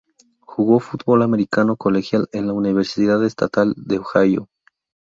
Jugó fútbol americano colegial en la Universidad Estatal de Ohio.